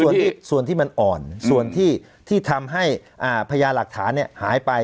นี่คือส่วนที่มันอ่อนส่วนที่ที่ทำให้พญาหลักฐานเนี่ยหายไป